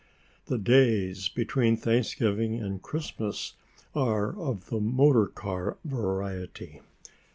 The days between Thanksgiving and Christmas are of the motor car variety.